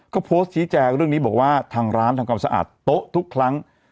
ก็โพสต์ชี้แจงเรื่องนี้บอกว่าทางร้านทำความสะอาดโต๊ะทุกครั้ง